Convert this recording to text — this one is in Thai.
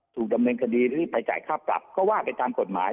ถูกดำเนินคดีรีบไปจ่ายค่าปรับก็ว่าไปตามกฎหมาย